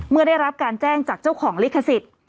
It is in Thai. ได้รับการแจ้งจากเจ้าของลิขสิทธิ์